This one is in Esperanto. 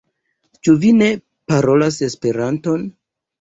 Ĉu vi ne parolas Esperanton?